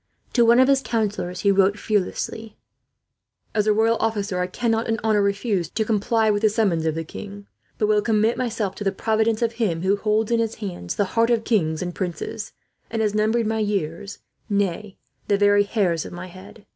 To one of his advisers he wrote fearlessly: "As a royal officer, I cannot in honour refuse to comply with the summons of the king; but will commit myself to the providence of Him who holds in His hands the hearts of kings and princes, and has numbered my years, nay, the very hairs of my head."